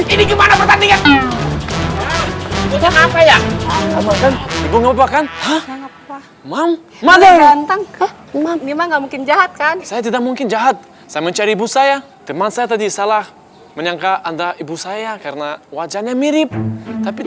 ini gimana pertandingan apa ya ibu ngobrol makan mam mam mam mam mam mungkin jahatkan saya tidak mungkin jahat saya mencari ibu saya teman saya tadi salah menyangka anda ibu saya karena wajahnya mirip